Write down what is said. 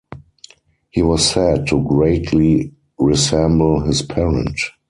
He was said to greatly resemble his parent.